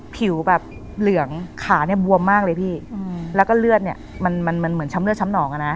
ผิวแบบเหลืองขาเนี่ยบวมมากเลยพี่แล้วก็เลือดเนี่ยมันมันเหมือนช้ำเลือดช้ำหนองอ่ะนะ